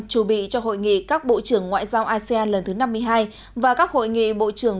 chuẩn bị cho hội nghị các bộ trưởng ngoại giao asean lần thứ năm mươi hai và các hội nghị bộ trưởng